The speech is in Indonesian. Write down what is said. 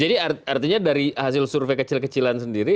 jadi artinya dari hasil survei kecil kecilan sendiri